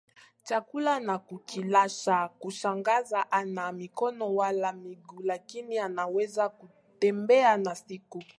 chakula na kukilacha kushangaza hana mikono wala miguu lakini anaweza kutembea na siku